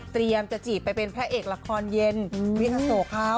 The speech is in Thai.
เตรียมจะจีบไปเป็นแพร่เอกละครเย็นวิทยาโสะเขา